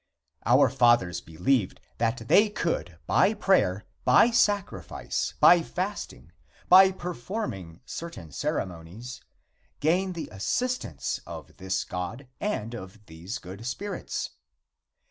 Our fathers believed that they could by prayer, by sacrifice, by fasting, by performing certain ceremonies, gain the assistance of this God and of these good spirits.